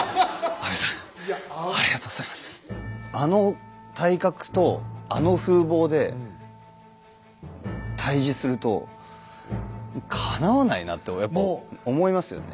あの体格とあの風貌で対峙するとかなわないなってやっぱ思いますよね。